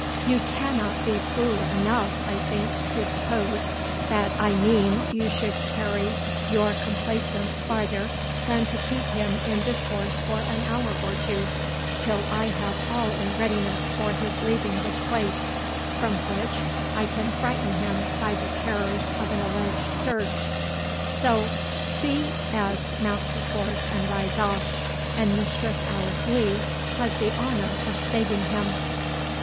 You cannot be fool enough, I think, to suppose, that I mean you should carry your complaisance farther than to keep him in discourse for an hour or two, till I have all in readiness for his leaving this place, from which I can frighten him by the terrors of an alleged search?—So, C. S. mounts his horse and rides off, and Mistress Alice Lee has the honour of saving him."